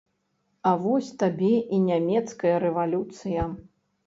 А вось табе і нямецкая рэвалюцыя!